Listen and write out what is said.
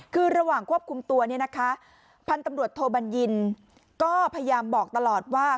คือระหว่างควบคุมตัวเนี่ยนะคะพันธุ์ตำรวจโทบัญญินก็พยายามบอกตลอดว่า